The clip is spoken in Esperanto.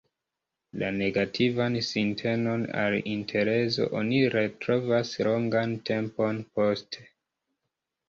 La negativan sintenon al interezo oni retrovas longan tempon poste.